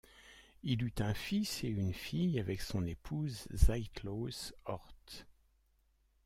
Il eut un fils et une fille avec son épouse Zeitlose Orth.